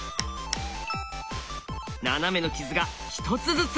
ナナメの傷が一つずつ。